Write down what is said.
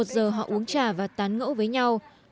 một mươi một giờ họ uống trà và tán gỗ với nhau